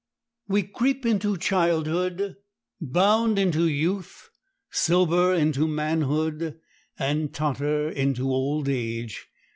We creep into childhood, bound into youth, sober into manhood, and totter into old age.